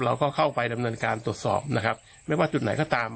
เราก็เข้าไปดำเนินการตรวจสอบนะครับไม่ว่าจุดไหนก็ตาม